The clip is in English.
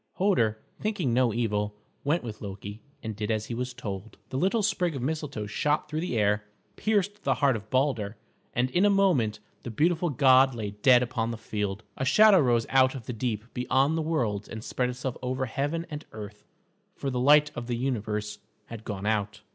Hoder, thinking no evil, went with Loki and did as he was told. The little sprig of Mistletoe shot through the air, pierced the heart of Balder, and in a moment the beautiful god lay dead upon the field. A shadow rose out of the deep beyond the worlds and spread itself over heaven and earth, for the light of the universe had gone out.